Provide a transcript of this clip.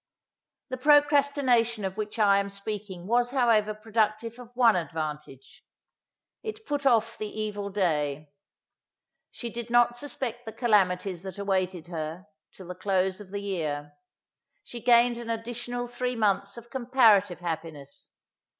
The procrastination of which I am speaking was however productive of one advantage. It put off the evil day. She did not suspect the calamities that awaited her, till the close of the year. She gained an additional three months of comparative happiness.